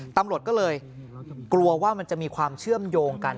ตำรวจก็เลยกลัวว่ามันจะมีความเชื่อมโยงกัน